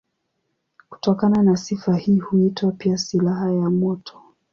Kutokana na sifa hii huitwa pia silaha ya moto.